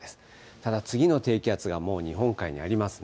ただ、次の低気圧がもう日本海にありますね。